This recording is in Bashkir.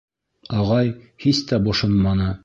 Ағай һис тә бошонманы: